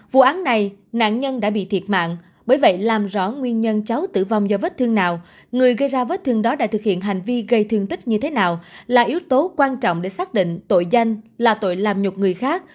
vụ án này nạn nhân đã bị thiệt mạng bởi vậy làm rõ nguyên nhân cháu tử vong do vết thương nào người gây ra vết thương đó đã thực hiện hành vi gây thương tích như thế nào là yếu tố quan trọng để xác định tội danh là tội làm nhục người khác